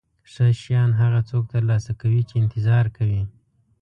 ښه شیان هغه څوک ترلاسه کوي چې انتظار کوي.